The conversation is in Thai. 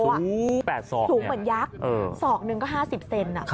ถูกเหมือนยักษ์สอกหนึ่งก็๕๐เซ็น